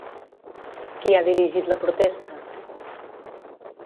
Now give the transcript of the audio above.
Qui ha dirigit la protesta?